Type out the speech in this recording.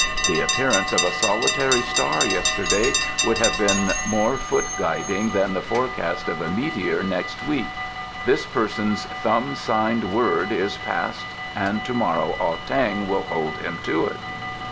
The appearance of a solitary star yesterday would have been more foot guiding than the forecast of a meteor next week. This person's thumb signed word is passed and to morrow Ah tang will hold him to it."